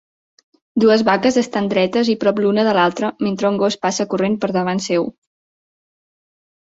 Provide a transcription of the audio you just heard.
Dues vaques estan dretes i prop l'una de l'altra mentre un gos passa corrent per davant seu.